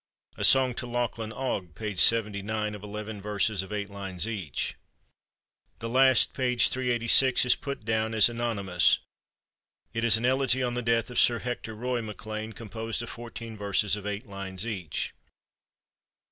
A song to Lachlan Og (p. 79), of eleven verses of eight lines each. The last (p. 386) is put down as anony mous. It is an elegy on the death of Sir Hector Roy MacLean, composed of fourteen verses of eight lines each.